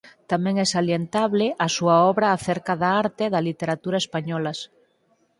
Tamén é salientable a súa obra acerca da arte e da literatura españolas.